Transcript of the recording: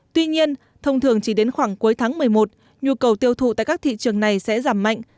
tuy nhiên thông thường chỉ đến khoảng cuối tháng một mươi một nhu cầu tiêu thụ tại các thị trường này sẽ giảm mạnh